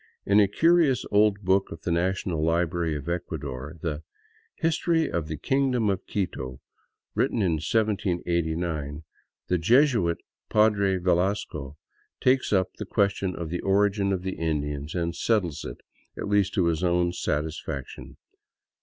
In a curious old book of the National Library of Ecuador — the " History of the Kingdom of Quito," written in 1789, the Jesuit Padre Velasco takes up the ques tion of the origin of the Indian and settles it — at least to his own satis faction.